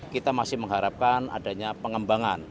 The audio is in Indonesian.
kita masih mengharapkan adanya pengembangan